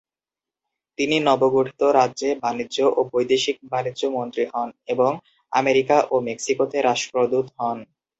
তিনি নবগঠিত রাজ্যে বাণিজ্য ও বৈদেশিক বাণিজ্য মন্ত্রী হন এবং আমেরিকা ও মেক্সিকোতে রাষ্ট্রদূত হন।